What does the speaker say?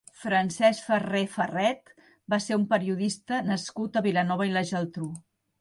Francesc Ferrer Ferret va ser un periodista nascut a Vilanova i la Geltrú.